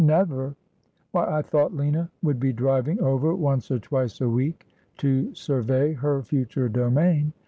' Never ! Why, I thought Lina would be driving over once or twice a week to survey her future domain.